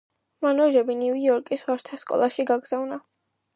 მან ვაჟები ნიუ–იორკის ვაჟთა სკოლაში გაგზავნა.